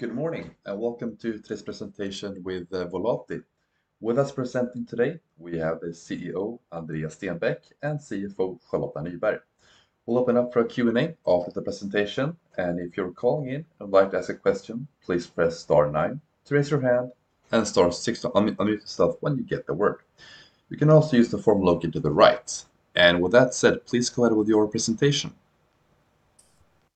Good morning, and welcome to today's presentation with Volati. With us presenting today, we have the CEO, Andreas Stenbäck, and CFO, Charlotta Nyberg. We'll open up for a Q&A after the presentation. If you're calling in and would like to ask a question, please press star nine to raise your hand and star six to unmute yourself when you get the word. You can also use the form linked to the right. With that said, please go ahead with your presentation.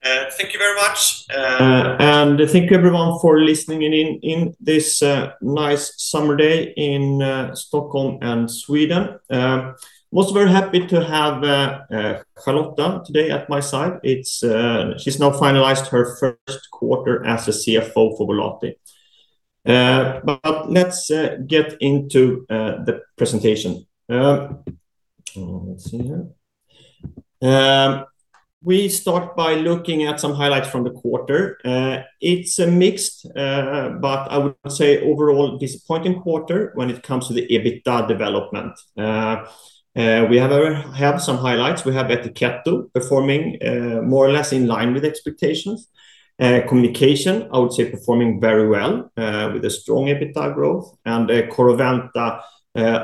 Thank you very much. Thank you, everyone, for listening in this nice summer day in Stockholm and Sweden. I am most very happy to have Charlotta today at my side. She's now finalized her first quarter as the CFO for Volati. Let's get into the presentation. Let's see here. We start by looking at some highlights from the quarter. It's a mixed, but I would say overall disappointing quarter when it comes to the EBITA development. We have some highlights. We have Ettiketto performing more or less in line with expectations. Communication, I would say, performing very well with a strong EBITA growth and Corroventa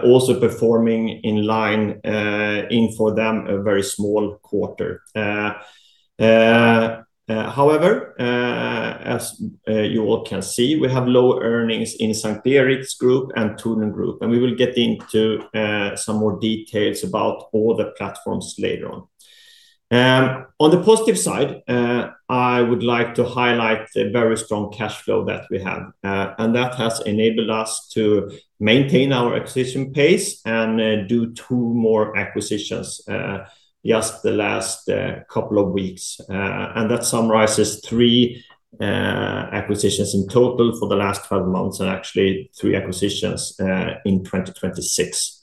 also performing in line in, for them, a very small quarter. However, as you all can see, we have low earnings in S:t Eriks Group and Tornum Group. We will get into some more details about all the platforms later on. On the positive side, I would like to highlight the very strong cash flow that we have. That has enabled us to maintain our acquisition pace and do two more acquisitions just the last couple of weeks. That summarizes three acquisitions in total for the last 12 months and actually three acquisitions in 2026.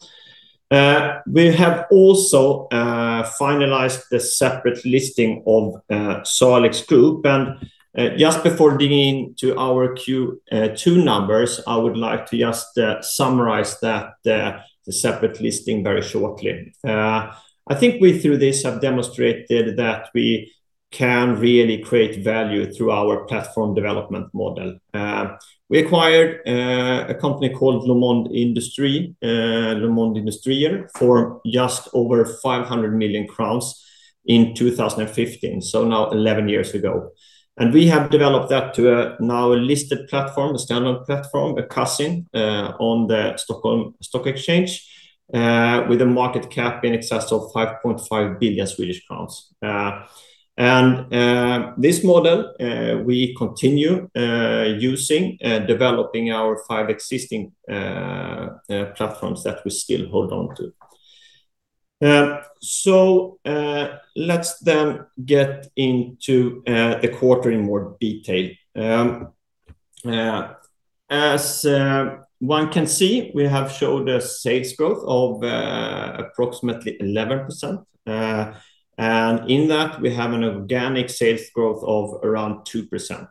We have also finalized the separate listing of Salix Group. Just before digging into our Q2 numbers, I would like to just summarize that separate listing very shortly. I think we, through this, have demonstrated that we can really create value through our platform development model. We acquired a company called Lomond Industry, Lomond Industrier, for just over 500 million crowns in 2015, so now 11 years ago. We have developed that to now a listed platform, a standalone platform, a cousin on the Stockholm Stock Exchange with a market cap in excess of 5.5 billion Swedish crowns. This model we continue using and developing our five existing platforms that we still hold on to. Let's then get into the quarter in more detail. As one can see, we have showed a sales growth of approximately 11%. In that, we have an organic sales growth of around 2%.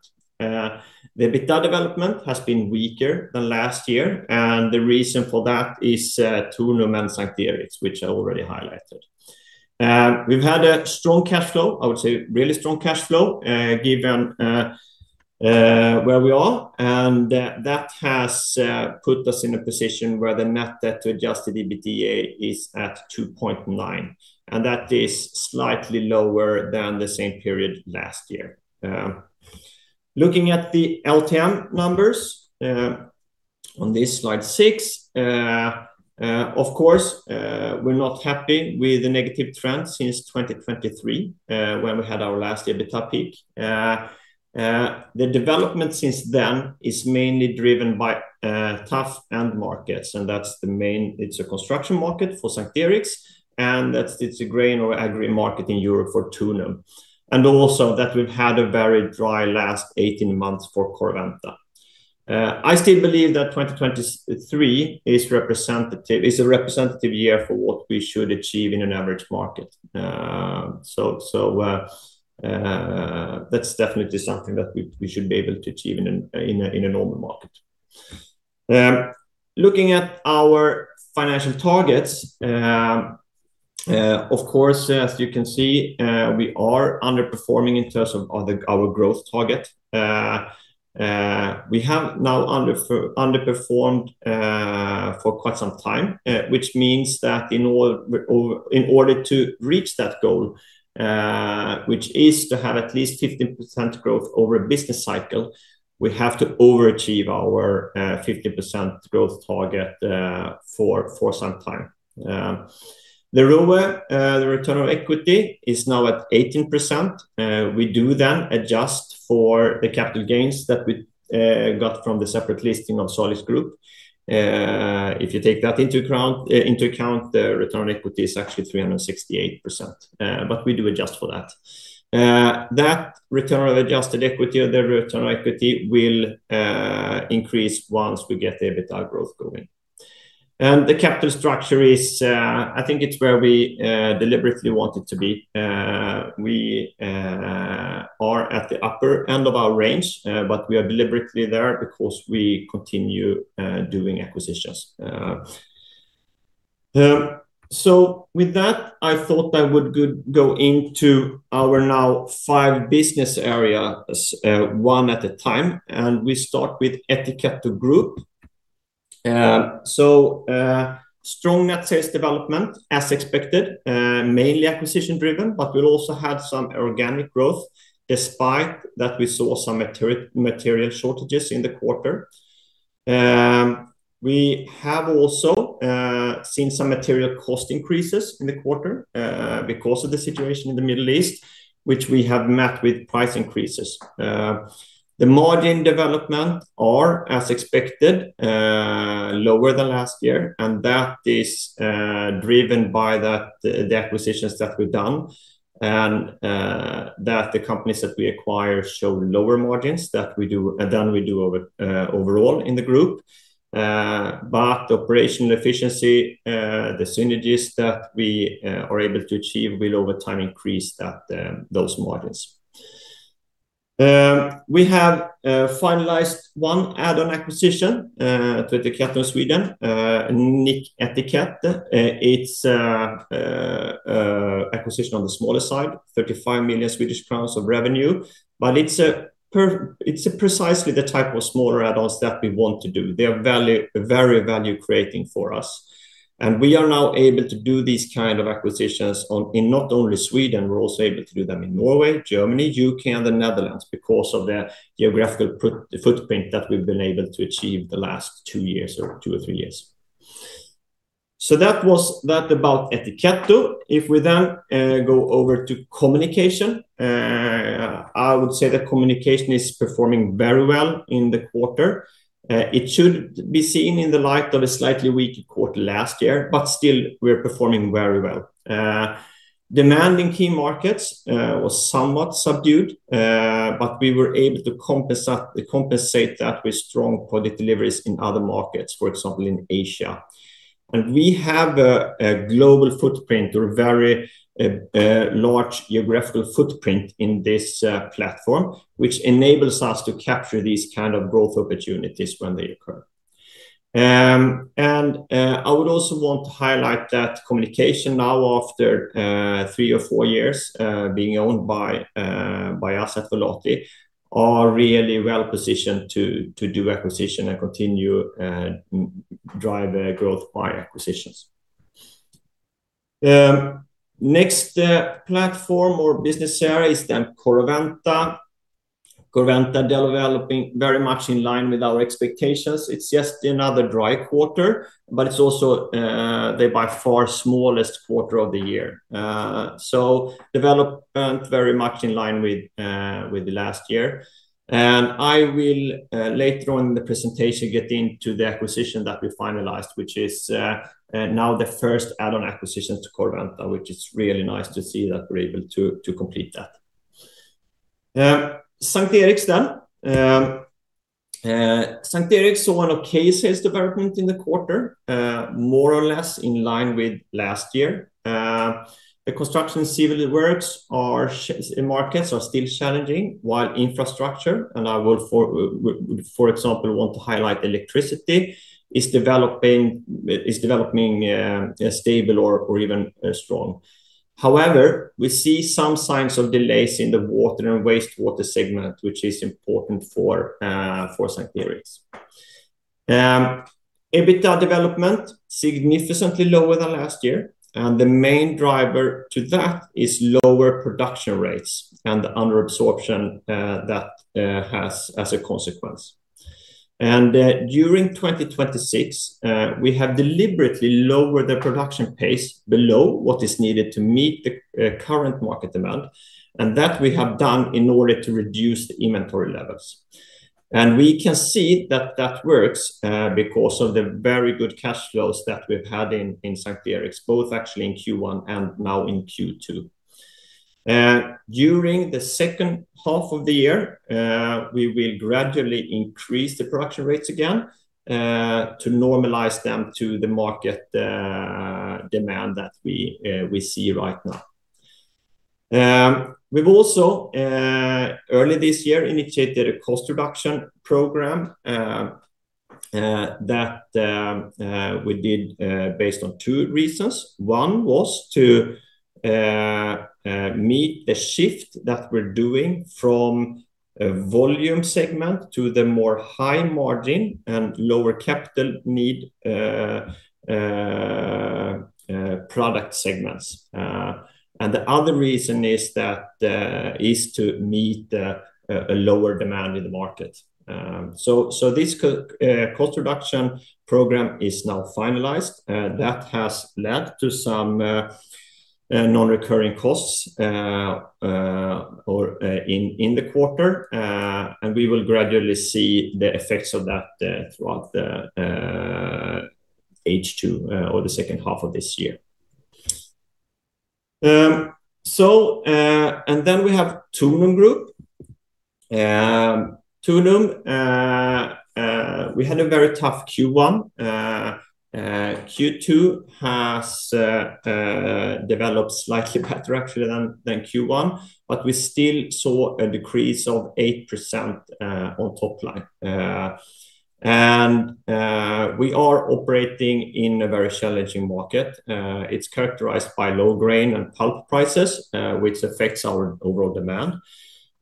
The EBITA development has been weaker than last year. The reason for that is Tornum and S:t Eriks, which I already highlighted. We've had a strong cash flow, I would say really strong cash flow, given where we are, and that has put us in a position where the net debt to adjusted EBITA is at 2.9x, and that is slightly lower than the same period last year. Looking at the LTM numbers on this slide six, of course, we're not happy with the negative trend since 2023, when we had our last EBITA peak. The development since then is mainly driven by tough end markets. It's a construction market for S:t Eriks, and it's a grain or agri market in Europe for Tornum. Also that we've had a very dry last 18 months for Corroventa. I still believe that 2023 is a representative year for what we should achieve in an average market. That's definitely something that we should be able to achieve in a normal market. Looking at our financial targets, of course, as you can see, we are underperforming in terms of our growth target. We have now underperformed for quite some time, which means that in order to reach that goal, which is to have at least 15% growth over a business cycle, we have to overachieve our 15% growth target for some time. The ROE, the return on equity, is now at 18%. We do adjust for the capital gains that we got from the separate listing of Salix Group. If you take that into account, the return on equity is actually 368%, we do adjust for that. That return on adjusted equity or the return on equity will increase once we get the EBITA growth going. The capital structure is, I think it's where we deliberately want it to be. We are at the upper end of our range, we are deliberately there because we continue doing acquisitions. With that, I thought I would go into our now five business areas one at a time, and we start with Ettiketto Group. Strong net sales development as expected, mainly acquisition driven, we also had some organic growth despite that we saw some material shortages in the quarter. We have also seen some material cost increases in the quarter because of the situation in the Middle East, which we have met with price increases. The margin development are, as expected, lower than last year, that is driven by the acquisitions that we've done and that the companies that we acquire show lower margins than we do overall in the group. Operational efficiency, the synergies that we are able to achieve will, over time, increase those margins. We have finalized one add-on acquisition to Ettiketto Sweden, NicEtikett. It's acquisition on the smaller side, 35 million Swedish crowns of revenue. It's precisely the type of smaller add-ons that we want to do. They are very value creating for us. We are now able to do these kind of acquisitions in not only Sweden, we're also able to do them in Norway, Germany, U.K., and the Netherlands because of the geographical footprint that we've been able to achieve the last two or three years. That was that about Ettiketto. If we go over to Communication, I would say that Communication is performing very well in the quarter. It should be seen in the light of a slightly weaker quarter last year, still, we're performing very well. Demand in key markets was somewhat subdued. We were able to compensate that with strong product deliveries in other markets, for example, in Asia. We have a global footprint or a very large geographical footprint in this platform, which enables us to capture these kind of growth opportunities when they occur. I would also want to highlight that Communication now, after three or four years, being owned by us at Volati, are really well-positioned to do acquisition and continue drive growth by acquisitions. Next platform or business area is Corroventa. Corroventa developing very much in line with our expectations. It's just another dry quarter, but it's also the by far smallest quarter of the year. Development very much in line with the last year. I will, later on in the presentation, get into the acquisition that we finalized, which is now the first add-on acquisition to Corroventa, which is really nice to see that we're able to complete that. S:t Eriks. S:t Eriks saw one okay sales development in the quarter, more or less in line with last year. The construction civil works markets are still challenging, while infrastructure, I would, for example, want to highlight electricity, is developing stable or even strong. However, we see some signs of delays in the water and wastewater segment, which is important for S:t Eriks. EBITA development, significantly lower than last year, and the main driver to that is lower production rates and the under absorption that has as a consequence. During 2026, we have deliberately lowered the production pace below what is needed to meet the current market demand, and that we have done in order to reduce the inventory levels. We can see that that works because of the very good cash flows that we've had in S:t Eriks, both actually in Q1 and now in Q2. During the second half of the year, we will gradually increase the production rates again to normalize them to the market demand that we see right now. We've also, early this year, indicated a cost reduction program that we did based on two reasons. One was to meet the shift that we're doing from a volume segment to the more high margin and lower capital need product segments. The other reason is to meet a lower demand in the market. This cost reduction program is now finalized. That has led to some non-recurring costs in the quarter. We will gradually see the effects of that throughout the H2 or the second half of this year. We have Tornum Group. Tornum, we had a very tough Q1. Q2 has developed slightly better actually than Q1. We still saw a decrease of 8% on top line. We are operating in a very challenging market. It's characterized by low grain and pulp prices, which affects our overall demand.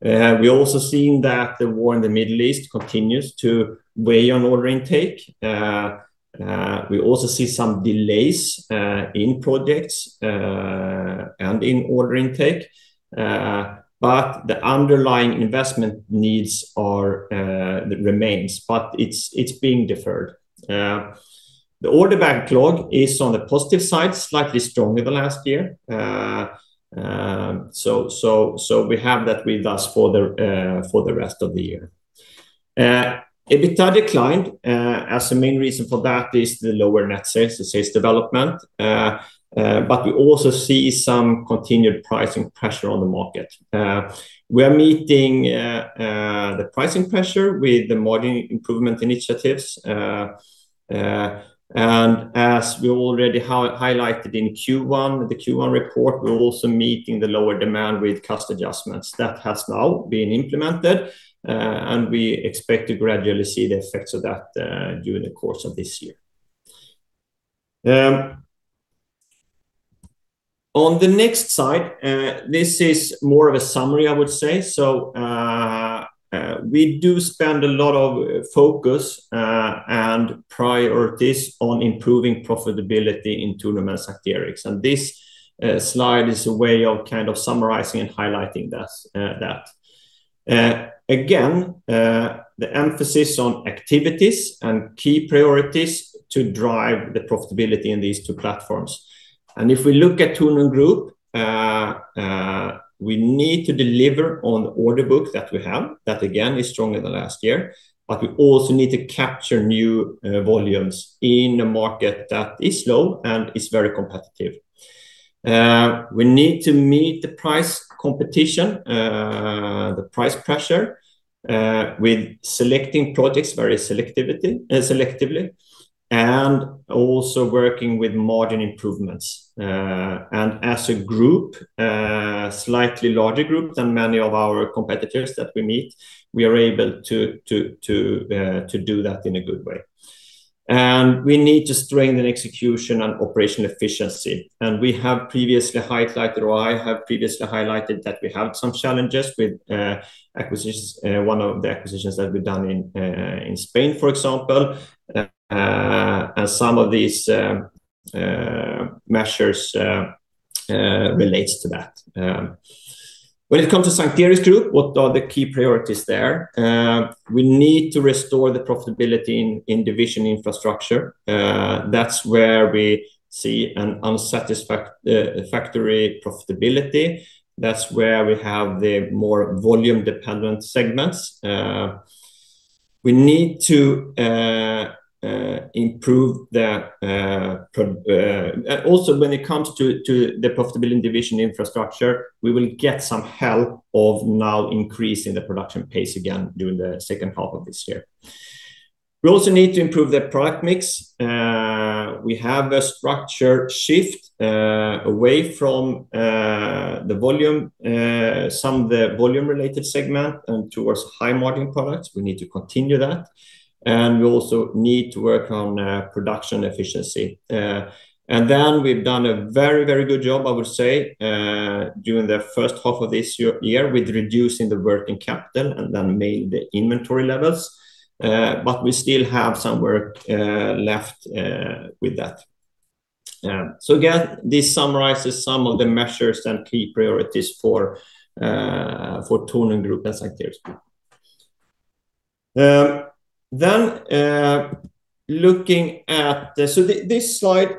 We also seen that the war in the Middle East continues to weigh on order intake. We also see some delays in projects and in order intake, but the underlying investment needs remains, but it's being deferred. The order backlog is on the positive side, slightly stronger than last year. We have that with us for the rest of the year. EBITA declined. The main reason for that is the lower net sales, the sales development, but we also see some continued pricing pressure on the market. We are meeting the pricing pressure with the margin improvement initiatives. As we already highlighted in the Q1 report, we are also meeting the lower demand with cost adjustments. That has now been implemented, and we expect to gradually see the effects of that during the course of this year. On the next slide, this is more of a summary, I would say. We do spend a lot of focus and priorities on improving profitability in Tornum and S:t Eriks, and this slide is a way of summarizing and highlighting that. Again, the emphasis on activities and key priorities to drive the profitability in these two platforms. If we look at Tornum Group, we need to deliver on the order book that we have. That, again, is stronger than last year, but we also need to capture new volumes in a market that is low and is very competitive. We need to meet the price competition, the price pressure, with selecting projects very selectively and also working with margin improvements. As a group, slightly larger group than many of our competitors that we meet, we are able to do that in a good way. We need to strengthen execution and operational efficiency. We have previously highlighted, or I have previously highlighted, that we have some challenges with one of the acquisitions that we have done in Spain, for example, and some of these measures relates to that. When it comes to S:t Eriks Group, what are the key priorities there? We need to restore the profitability in division infrastructure. That is where we see an unsatisfactory profitability. That is where we have the more volume-dependent segments. When it comes to the profitability division infrastructure, we will get some help of now increase in the production pace again during the second half of this year. We also need to improve the product mix. We have a structure shift away from some of the volume-related segment and towards high-margin products. We need to continue that, and we also need to work on production efficiency. We have done a very good job, I would say, during the first half of this year with reducing the working capital and then mainly the inventory levels. We still have some work left with that. This summarizes some of the measures and key priorities for Tornum Group and S:t Eriks Group. This slide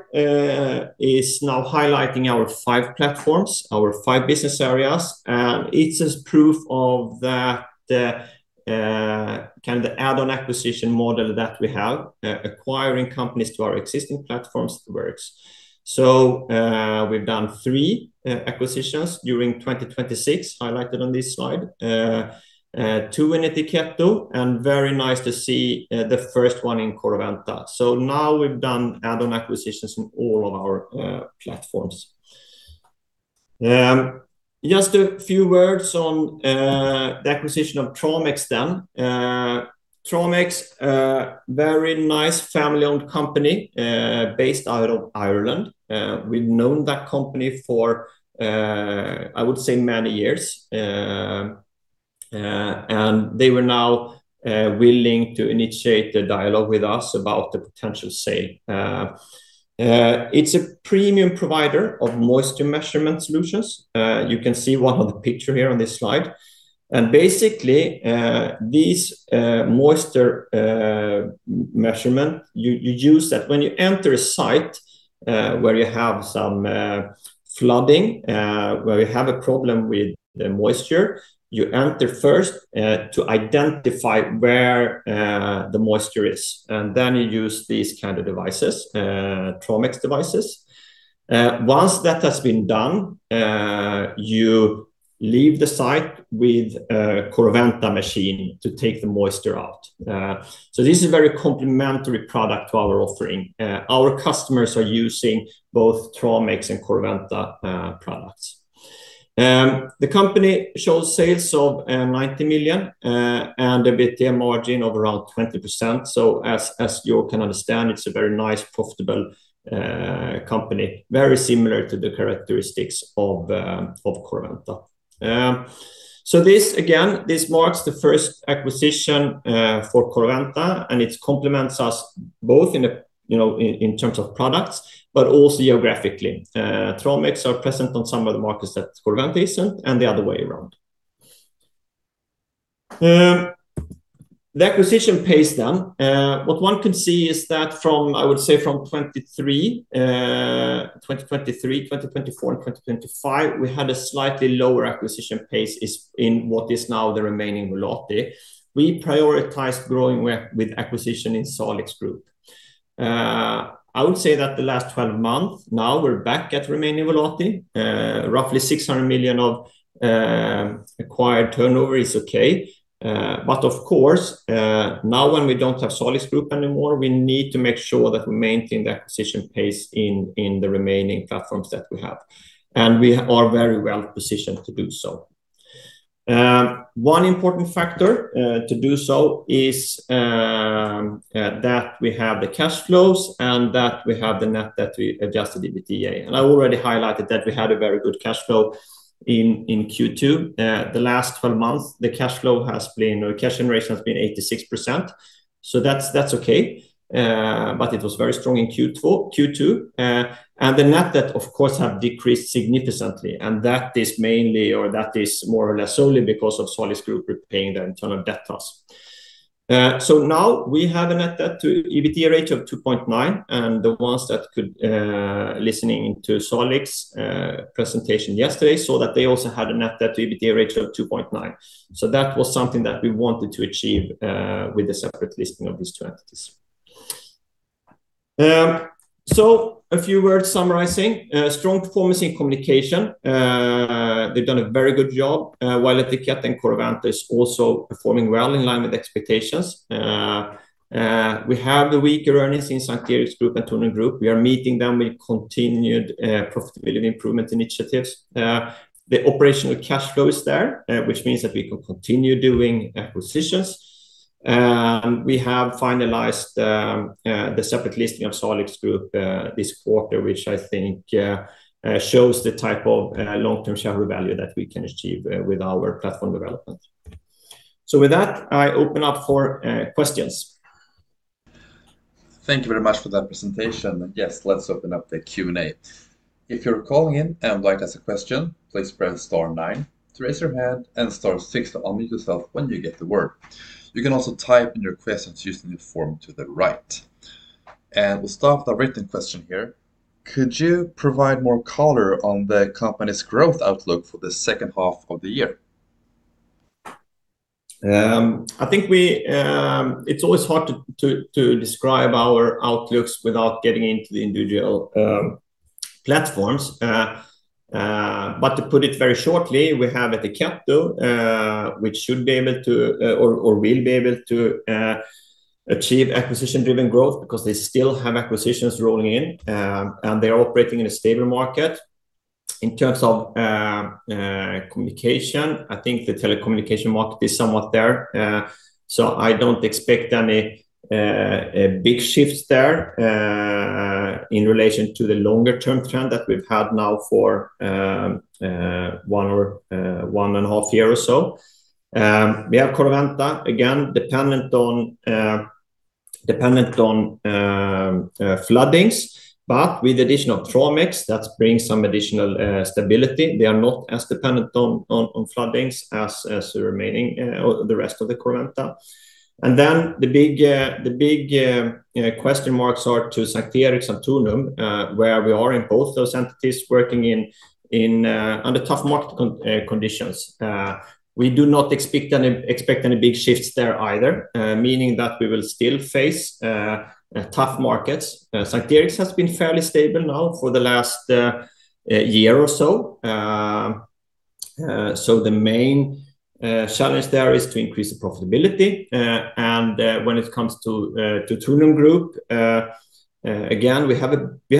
is now highlighting our five platforms, our five business areas, and it is proof of the add-on acquisition model that we have. Acquiring companies to our existing platforms works. We have done three acquisitions during 2026, highlighted on this slide, two in Ettiketto, and very nice to see the first one in Corroventa. Now we have done add-on acquisitions in all of our platforms. Just a few words on the acquisition of Tramex then. Tramex, very nice family-owned company based out of Ireland. We have known that company for I would say many years. They were now willing to initiate the dialogue with us about the potential sale. It is a premium provider of moisture measurement solutions. You can see one on the picture here on this slide. Basically, these moisture measurement, you use that when you enter a site, where you have some flooding, where you have a problem with the moisture. You enter first to identify where the moisture is, and then you use these kind of Tramex devices. Once that has been done, you leave the site with a Corroventa machine to take the moisture out. This is a very complementary product to our offering. Our customers are using both Tramex and Corroventa products. The company shows sales of 90 million and EBITA margin of around 20%. As you can understand, it's a very nice, profitable company, very similar to the characteristics of Corroventa. This, again, marks the first acquisition for Corroventa, and it complements us both in terms of products, but also geographically. Tramex are present on some of the markets that Corroventa isn't, and the other way around. The acquisition pace then. What one can see is that from, I would say from 2023, 2024, and 2025, we had a slightly lower acquisition pace in what is now the remaining Volati. We prioritized growing with acquisition in Salix Group. I would say that the last 12 months, now we're back at remaining Volati. Roughly 600 million of acquired turnover is okay. But of course, now when we don't have Salix Group anymore, we need to make sure that we maintain the acquisition pace in the remaining platforms that we have. We are very well-positioned to do so. One important factor to do so is that we have the cash flows and that we have the net debt to adjusted EBITDA. I already highlighted that we had a very good cash flow in Q2. The last 12 months, the cash flow has been, or cash generation has been 86%. That's okay. But it was very strong in Q2. The net debt, of course, have decreased significantly, and that is mainly, or that is more or less solely because of Salix Group repaying the internal debt to us. Now we have a net debt to EBITDA ratio of 2.9x, and the ones that could, listening to Salix presentation yesterday, saw that they also had a net debt to EBITDA ratio of 2.9x. That was something that we wanted to achieve with the separate listing of these two entities. A few words summarizing. Strong performance in Communication. They've done a very good job. While Ettiketto and Corroventa is also performing well in line with expectations. We have the weaker earnings in S:t Eriks Group and Tornum Group. We are meeting them with continued profitability improvement initiatives. The operational cash flow is there, which means that we can continue doing acquisitions. We have finalized the separate listing of Salix Group this quarter, which I think shows the type of long-term shareholder value that we can achieve with our platform development. With that, I open up for questions. Thank you very much for that presentation. Let's open up the Q&A. If you're calling in and would like to ask a question, please press star nine to raise your hand and star six to unmute yourself when you get the word. You can also type in your questions using the form to the right. We'll start with a written question here. Could you provide more color on the company's growth outlook for the second half of the year? I think it's always hard to describe our outlooks without getting into the individual platforms. To put it very shortly, we have Ettiketto, though, which should be able to, or will be able to achieve acquisition-driven growth because they still have acquisitions rolling in, and they're operating in a stable market. In terms of Communication, I think the telecommunication market is somewhat there. I don't expect any big shifts there in relation to the longer-term trend that we've had now for one and a half year or so. We have Corroventa, again, dependent on floodings, but with the addition of Tramex, that brings some additional stability. They are not as dependent on floodings as the rest of the Corroventa. The big question marks are to S:t Eriks and Tornum, where we are in both those entities working under tough market conditions. We do not expect any big shifts there either, meaning that we will still face tough markets. S:t Eriks has been fairly stable now for the last year or so. The main challenge there is to increase the profitability. When it comes to Tornum Group, again, we have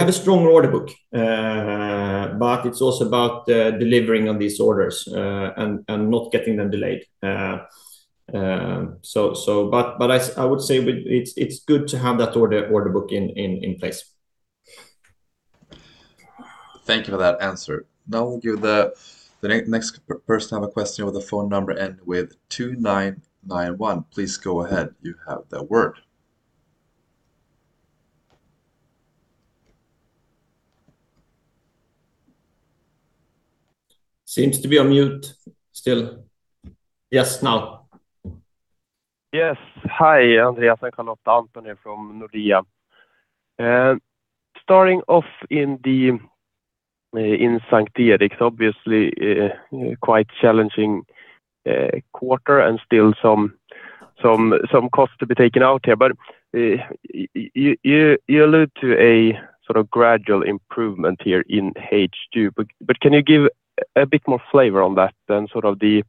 a stronger order book. It's also about delivering on these orders and not getting them delayed. I would say it's good to have that order book in place. Thank you for that answer. Now we'll give the next person to have a question with the phone number end with 2991. Please go ahead. You have the word. Seems to be on mute still. Now. Hi, Andreas. [inaudible] from Nordea. Starting off in S:t Eriks, obviously a quite challenging quarter and still some cost to be taken out here. You allude to a sort of gradual improvement here in H2. Can you give a bit more flavor on that than sort of the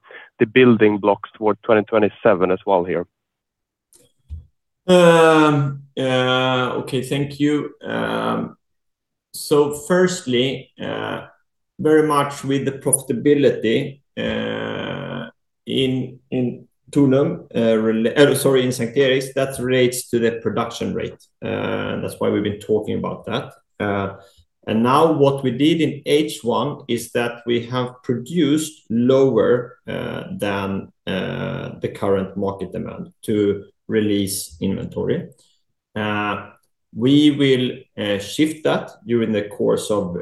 building blocks toward 2027 as well here? Thank you. Firstly, very much with the profitability in S:t Eriks, that relates to the production rate. That's why we've been talking about that. Now what we did in H1 is that we have produced lower than the current market demand to release inventory. We will shift that during the course of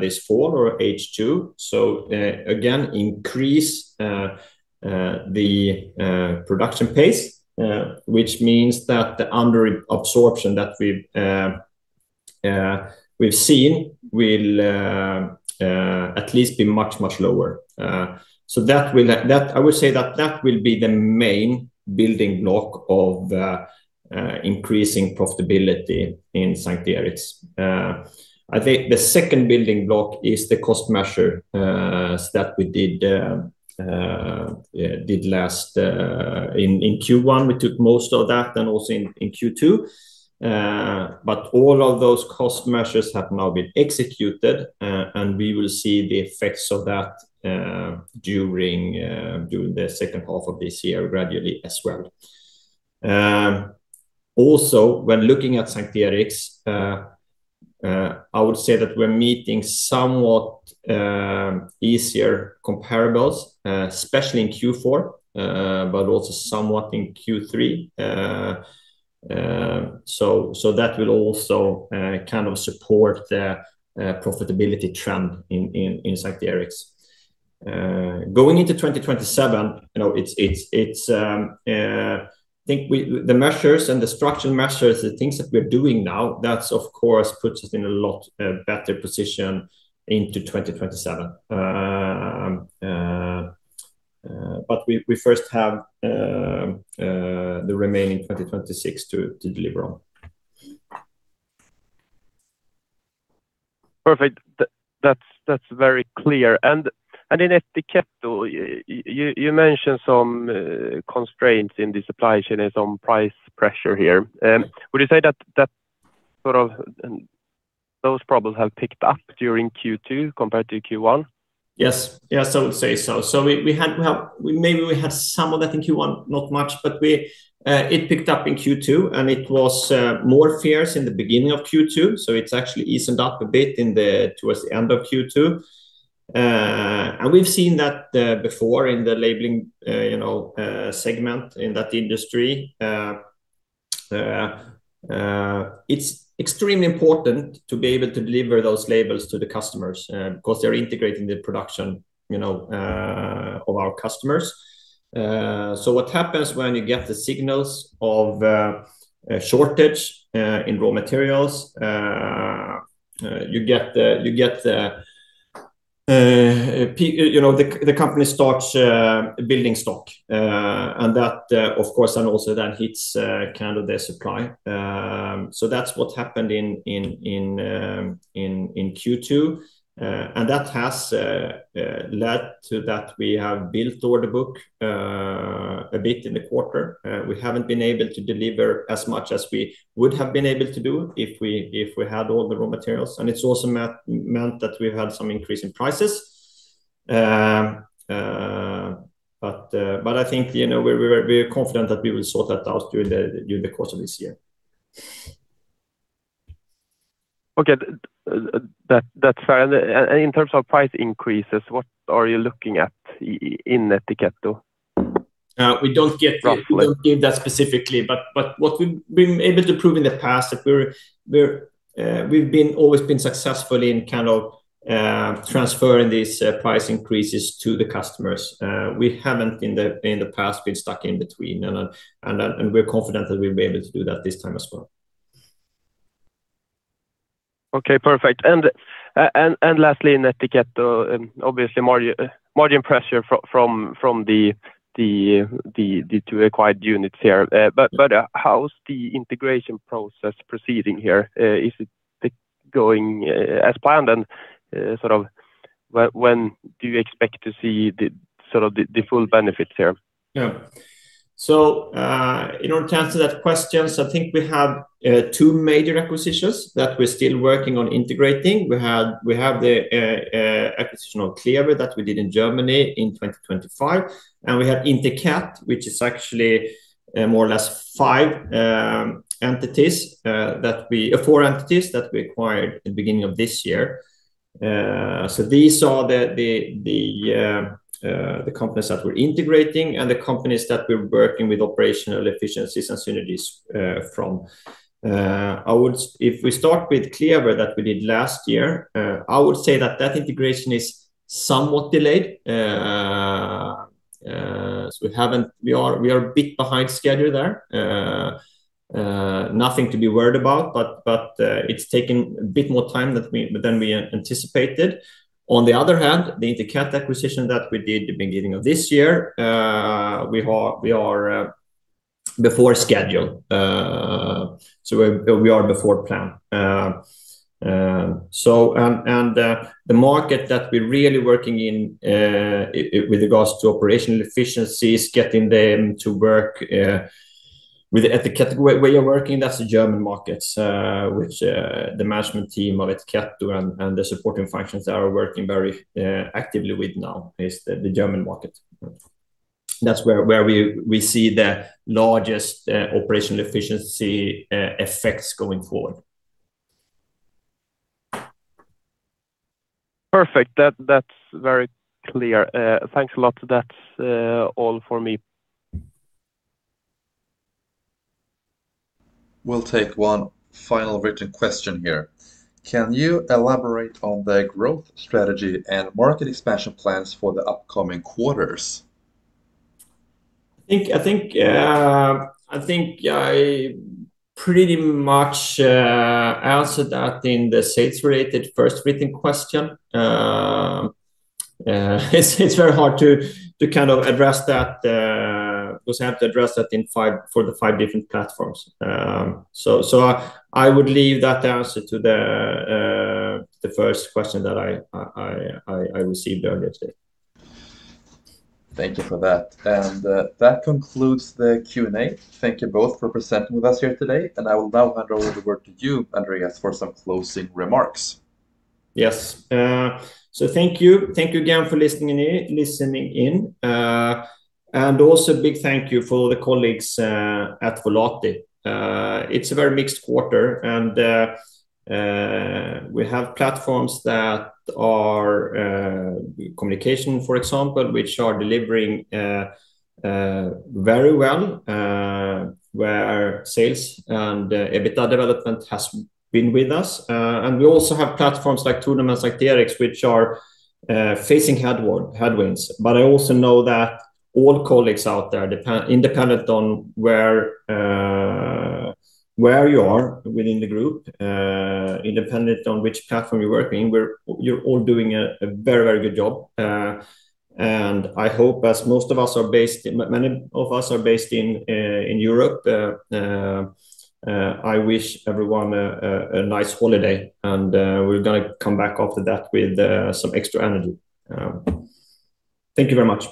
this fall or H2. Again, increase the production pace, which means that the under absorption that we've seen will at least be much lower. I would say that will be the main building block of increasing profitability in S:t Eriks. I think the second building block is the cost measure that we did last in Q1. We took most of that then also in Q2. All of those cost measures have now been executed, and we will see the effects of that during the second half of this year gradually as well. Also, when looking at S:t Eriks, I would say that we're meeting somewhat easier comparables, especially in Q4, but also somewhat in Q3. That will also support the profitability trend in S:t Eriks. Going into 2027, I think the measures and the structural measures, the things that we're doing now, that of course puts us in a lot better position into 2027. We first have the remaining 2026 to deliver on. Perfect. That's very clear. In Ettiketto, you mentioned some constraints in the supply chain and some price pressure here. Would you say that those problems have picked up during Q2 compared to Q1? Yes, I would say so. Maybe we had some of that in Q1, not much, but it picked up in Q2, and it was more fierce in the beginning of Q2. It's actually eased up a bit towards the end of Q2. We've seen that before in the labeling segment in that industry. It's extremely important to be able to deliver those labels to the customers, because they're integrating the production of our customers. What happens when you get the signals of a shortage in raw materials, the company starts building stock. Also that hits their supply. That's what happened in Q2. That has led to that we have built order book a bit in the quarter. We haven't been able to deliver as much as we would have been able to do if we had all the raw materials. It's also meant that we've had some increase in prices. I think we're confident that we will sort that out during the course of this year. Okay. That's fair. In terms of price increases, what are you looking at in Ettiketto roughly? We don't give that specifically, but what we've been able to prove in the past that we've always been successful in transferring these price increases to the customers. We haven't in the past been stuck in between. We're confident that we'll be able to do that this time as well. Okay, perfect. Lastly, in Ettiketto, obviously margin pressure from the two acquired units here. How's the integration process proceeding here? Is it going as planned and when do you expect to see the full benefits here? In order to answer that question, I think we have two major acquisitions that we're still working on integrating. We have the acquisition of Clever that we did in Germany in 2025, and we have Interket, which is actually more or less four entities that we acquired at the beginning of this year. These are the companies that we're integrating and the companies that we're working with operational efficiencies and synergies from. If we start with Clever that we did last year, I would say that that integration is somewhat delayed. We are a bit behind schedule there. Nothing to be worried about, but it's taken a bit more time than we anticipated. On the other hand, the Interket acquisition that we did at the beginning of this year, we are before schedule. We are before plan. The market that we're really working in with regards to operational efficiencies, getting them to work with at the category where you're working, that's the German markets which the management team of Ettiketto and the supporting functions are working very actively with now is the German market. That's where we see the largest operational efficiency effects going forward. Perfect. That's very clear. Thanks a lot. That's all for me. We'll take one final written question here. Can you elaborate on the growth strategy and market expansion plans for the upcoming quarters? I think I pretty much answered that in the sales-related first written question. It's very hard to have to address that for the five different platforms. I would leave that answer to the first question that I received earlier today. Thank you for that. That concludes the Q&A. Thank you both for presenting with us here today, and I will now hand over the word to you, Andreas, for some closing remarks. Yes. Thank you again for listening in. Also big thank you for the colleagues at Volati. It's a very mixed quarter. We have platforms that are Communication, for example, which are delivering very well where our sales and EBITA development has been with us. We also have platforms like Tornum, like S:t Eriks, which are facing headwinds. I also know that all colleagues out there, independent on where you are within the group, independent on which platform you're working, you're all doing a very good job. I hope as many of us are based in Europe, I wish everyone a nice holiday. We're going to come back after that with some extra energy. Thank you very much